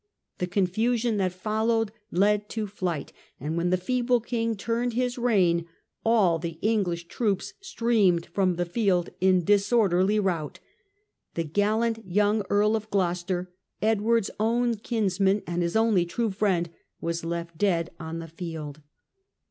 The confusion that followed led to flight, and when the feeble king turned his rein, all the English troops streamed from the field in disorderly rout. The gallant young Earl of Gloucester, Edward's own kinsman and his only true friend, was left dead on the field.